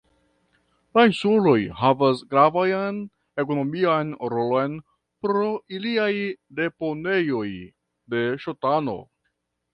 La insuloj havas gravan ekonomian rolon pro iliaj deponejoj de stano.